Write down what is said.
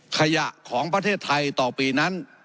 ขยะของประเทศไทยต่อปีนั้น